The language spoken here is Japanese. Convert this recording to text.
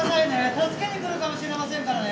助けに来るかもしれませんからね。